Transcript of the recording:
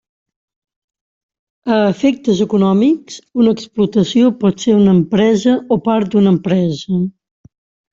A efectes econòmics, una explotació pot ser una empresa o part d'una empresa.